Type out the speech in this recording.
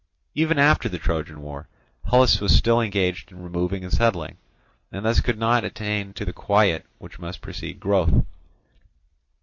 Even after the Trojan War, Hellas was still engaged in removing and settling, and thus could not attain to the quiet which must precede growth.